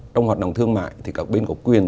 trong hoạt động thương mại thì các bên có quyền